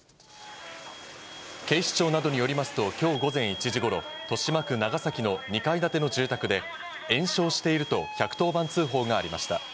警視庁などによりますと、きょう午前１時ごろ、豊島区長崎の２階建ての住宅で、延焼していると１１０番通報がありました。